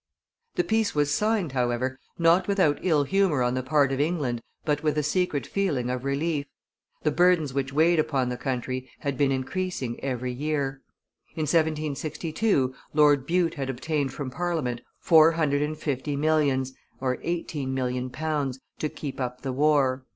The peace was signed, however, not without ill humor on the part of England, but with a secret feeling of relief; the burdens which weighed upon the country had been increasing every year. In 1762, Lord Bute had obtained from Parliament four hundred and fifty millions (eighteen million pounds) to keep up the war.